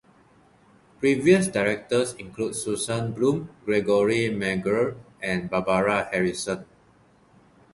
Previous directors include Susan Bloom, Gregory Maguire, and Barbara Harrison.